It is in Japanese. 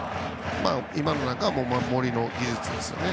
今のは森の技術ですよね。